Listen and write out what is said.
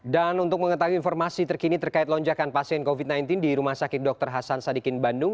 untuk mengetahui informasi terkini terkait lonjakan pasien covid sembilan belas di rumah sakit dr hasan sadikin bandung